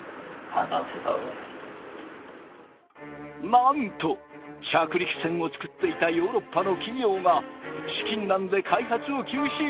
なんと着陸船を作っていたヨーロッパの企業が資金難で開発を休止。